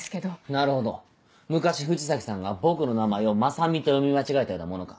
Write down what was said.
なるほど昔藤崎さんが僕の名前を「雅美」と読み間違えたようなものか。